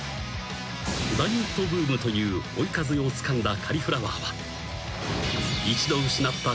［ダイエットブームという追い風をつかんだカリフラワーは］